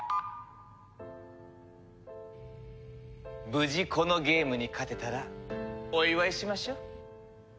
無事このゲームに勝てたらお祝いしましょう。